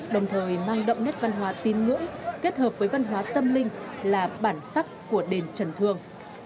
đồng thời mang đậm nét văn hóa tin ngưỡng kết hợp với văn hóa tâm linh là bản sắc của đền trần thương